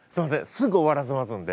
すぐ終わらせますんで。